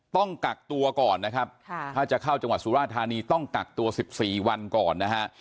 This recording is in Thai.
ต้องกักตัวก่อนนะครับถ้าจะเข้าจังหวัดสุราธานีต้องกักตัว๑๔วันก่อนนะฮะ